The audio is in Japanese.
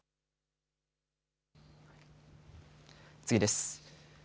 次です。